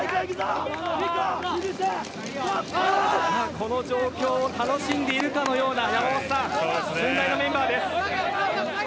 この状況を楽しんでいるかのような駿台のメンバーです。